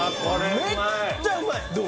めっちゃうまいどう？